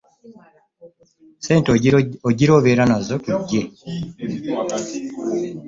Ssente ogira obeera nazo tujje.